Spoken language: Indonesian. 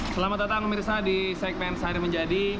selamat datang mirsa di segmen sehari menjadi